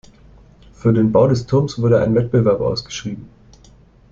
Für den Bau des Turmes wurde ein Wettbewerb ausgeschrieben.